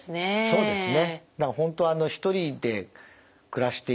そうですね。